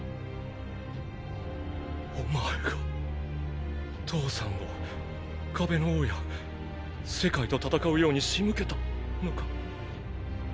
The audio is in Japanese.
お前が父さんを壁の王や世界と戦うように仕向けたのか？